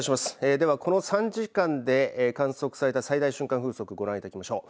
ではこの３時間で観測された最大瞬間風速、ご覧いただきましょう。